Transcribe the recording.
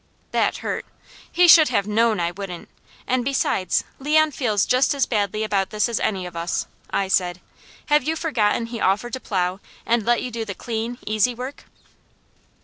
That hurt. He should have KNOWN I wouldn't, and besides, "Leon feels just as badly about this as any of us," I said. "Have you forgotten he offered to plow, and let you do the clean, easy work?"